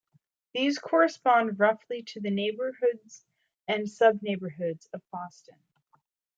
These correspond roughly with the neighborhoods and sub-neighborhoods of Boston.